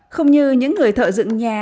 không như những người thợ dựng nhà